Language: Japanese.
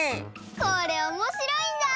これおもしろいんだ！